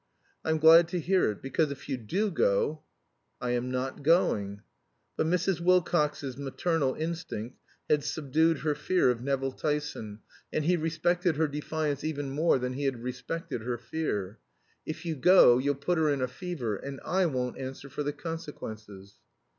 "I'm glad to hear it. Because if you do go " "I am not going." But Mrs. Wilcox's maternal instinct had subdued her fear of Nevill Tyson, and he respected her defiance even more than he had respected her fear. "If you go you'll put her in a fever, and I won't answer for the consequences."